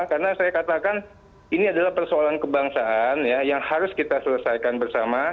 karena saya katakan ini adalah persoalan kebangsaan ya yang harus kita selesaikan bersama